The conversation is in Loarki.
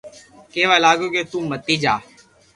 ڪيوا لاگيو ڪي تو متي جا